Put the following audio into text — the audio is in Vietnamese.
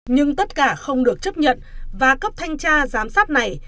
nhưng tất cả không được chấp nhận và cấp thanh tra giám sát này